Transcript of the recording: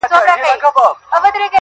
چي پاڼه وشړېدل~